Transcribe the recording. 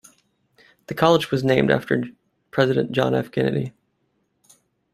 The college was named after President John F. Kennedy.